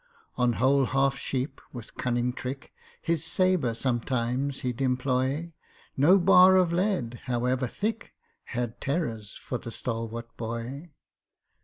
On whole half sheep, with cunning trick, His sabre sometimes he'd employ— No bar of lead, however thick, Had terrors for the stalwart boy.